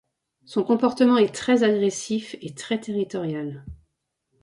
Son comportement est très agressif et très territorial.